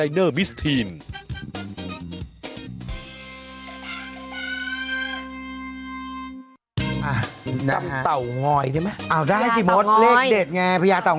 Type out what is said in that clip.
อ้าวได้สิมฆ์ทแบบเด็ดไงพญาเต่อง่อยพญาเต่อง่อย